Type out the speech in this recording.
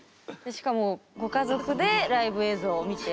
しかもご家族でライブ映像を見て。